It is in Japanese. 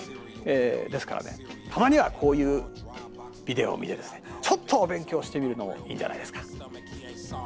ですからねたまにはこういうビデオを見てですねちょっとお勉強してみるのもいいんじゃないですか。